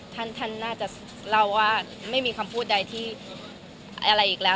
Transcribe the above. ท่านท่านน่าจะเล่าว่าไม่มีคำพูดใดที่อะไรอีกแล้ว